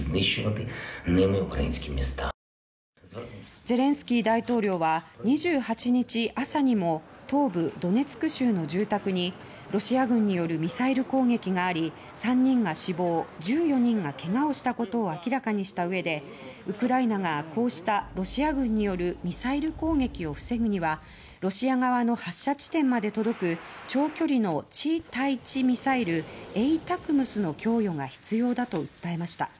ゼレンスキー大統領は２８日朝にも東部ドネツク州の住宅にロシア軍によるミサイル攻撃があり３人が死亡１４人がけがをしたことを明らかにした上でウクライナがこうしたロシア軍によるミサイル攻撃を防ぐにはロシア側の発射地点まで届く長距離の地対地ミサイルＡＴＡＣＭＳの供与が必要だと訴えました。